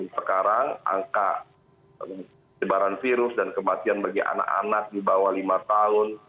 sekarang angka penyebaran virus dan kematian bagi anak anak di bawah lima tahun